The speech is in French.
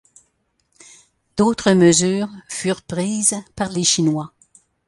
D’autres mesures furent prises par les Chinois.